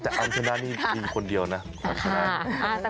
แต่อามชนะนี้มีคนเดียวนะ